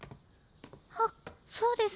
あっそうです。